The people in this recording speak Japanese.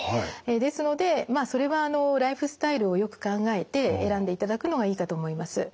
ですのでまあそれはライフスタイルをよく考えて選んでいただくのがいいかと思います。